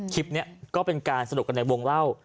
คลิปนี้ก็เป็นการสนุกกันในวงเล่า